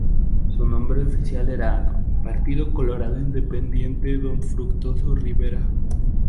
Su nombre oficial era "Partido Colorado Independiente Don Fructuoso Rivera".